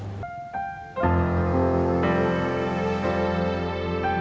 salah satu gejala covid sembilan belas pada pasien adalah gangguan respirasi atau sesak nafas